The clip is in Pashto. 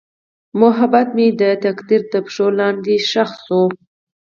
محبت مې د تقدیر تر پښو لاندې ښخ شو.